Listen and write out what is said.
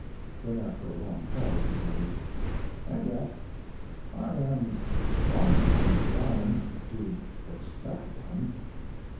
Then, after a long pause, he added: "And yet I am strongly inclined to expect one."